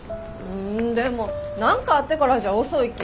んでも何かあってからじゃ遅いき